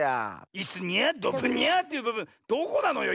「いすにゃとふにゃ」というぶぶんどこなのよ？